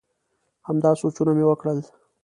همدا سوچونه مي کول ؟